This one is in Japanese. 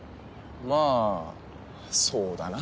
まぁそうだな。